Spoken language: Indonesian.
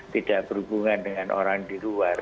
tidak berhubungan dengan orang di luar